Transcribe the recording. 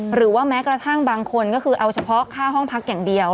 หรือว่าแม้กระทั่งบางคนก็คือเอาเฉพาะค่าห้องพักอย่างเดียว